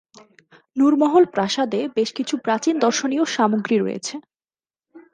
নুর মহল প্রাসাদে বেশ কিছু প্রাচীন দর্শনীয় সামগ্রী রয়েছে।